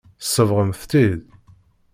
Tsebɣemt-tt-id.